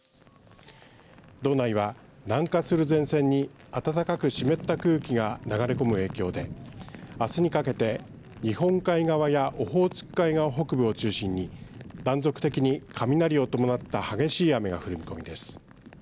道内は南下する前線に暖かく湿った空気が流れ込む影響であすにかけて日本海側やオホーツク海側北部を中心に断続的に雷を伴った激しい雨が降る見込みです。